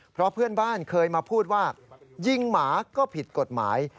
เพราะเพื่อนบ้านเคยมาพูดว่ายิงหมาก็ผิดกฎหมาย